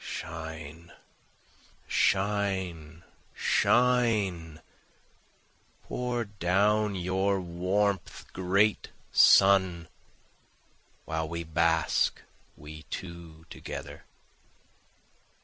Shine! shine! shine! Pour down your warmth, great sun.' While we bask, we two together.